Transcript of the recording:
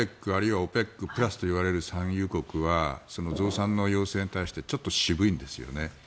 でもＯＰＥＣＯＰＥＣプラスといわれる産油国は増産の要請に対してちょっと渋いんですよね。